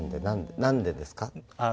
何でですか？